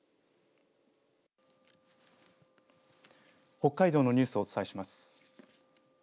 北海道のニュースをお伝えします。